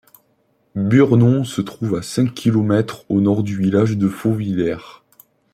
Burnon se trouve à cinq kilomètres au nord du village de Fauvillers.